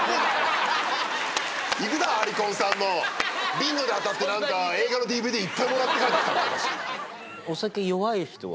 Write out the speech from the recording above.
ビンゴで当たって映画のＤＶＤいっぱいもらって帰ってきた。